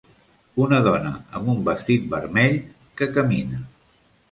Una dona amb un vestit vermell que camina.